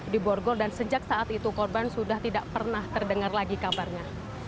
di borgol dan sejak saat itu korban sudah tidak pernah terdengar lagi kabarnya